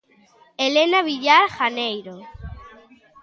Helena Villar Janeiro.